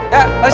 ya barisan rapi